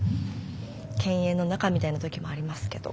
犬猿の仲みたいな時もありますけど。